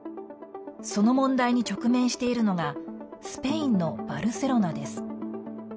その問題に直面しているのがスペインのバルセロナです。